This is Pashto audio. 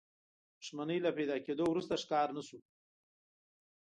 دښمنۍ له پيدا کېدو وروسته ښکار نه شو.